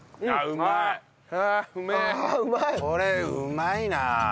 これうまいなあ。